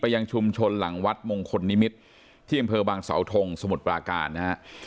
ยังชุมชนหลังวัดมงคลนิมิตรที่อำเภอบางสาวทงสมุทรปราการนะฮะ